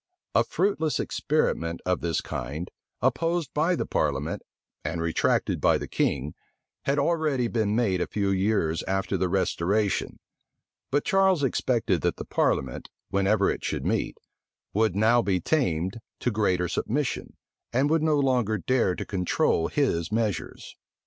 A fruitless experiment of this kind, opposed by the parliament, and retracted by the king, had already been made a few years after the restoration; but Charles expected that the parliament, whenever it should meet, would now be tamed to greater submission, and would no longer dare to control his measures.